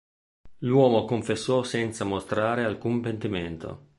L'uomo confessò senza mostrare alcun pentimento.